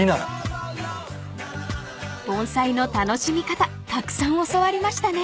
［盆栽の楽しみ方たくさん教わりましたね］